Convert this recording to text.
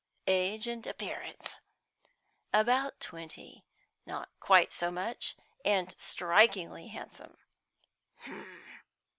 "Age and appearance?" "About twenty not quite so much and strikingly handsome."